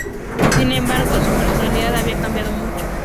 Sin embargo, su personalidad había cambiado mucho.